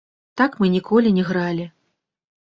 Так мы ніколі не гралі.